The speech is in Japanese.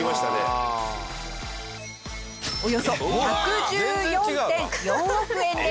およそ１１４．４億円です。